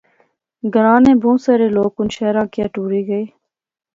گراں نے بہوں سارے لوک ہُن شہراں کیا ٹُری غئے